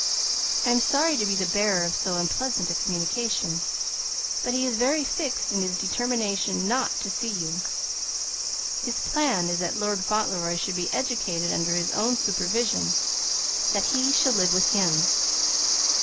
I am sorry to be the bearer of so unpleasant a communication, but he is very fixed in his determination not to see you. His plan is that Lord Fauntleroy shall be educated under his own supervision; that he shall live with him.